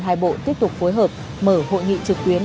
hai bộ tiếp tục phối hợp mở hội nghị trực tuyến